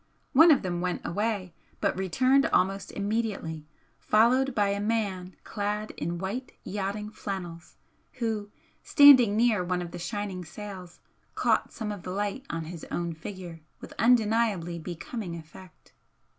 One of them went away, but returned almost immediately, followed by a man clad in white yachting flannels, who, standing near one of the shining sails, caught some of the light on his own figure with undeniably becoming effect.